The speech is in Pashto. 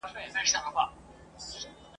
خان له ډېره وخته خر او آس لرله !.